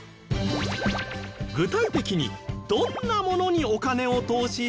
具体的にどんなものにお金を投資しているの？